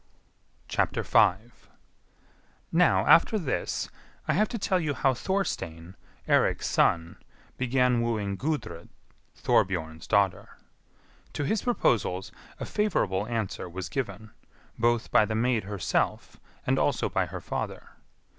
5. Now, after this, I have to tell you how Thorstein, Eirik's son, began wooing Gudrid, Thorbjorn's daughter. To his proposals a favourable answer was given, both by the maid herself, and also by her father.